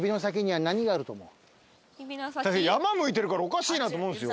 山向いてるからおかしいなと思うんすよ。